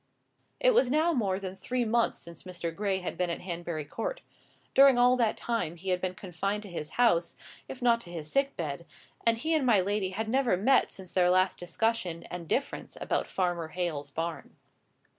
It was now more than three months since Mr. Gray had been at Hanbury Court. During all that time he had been confined to his house, if not to his sick bed, and he and my lady had never met since their last discussion and difference about Farmer Hale's barn.